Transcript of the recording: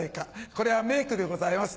これは名句でございます。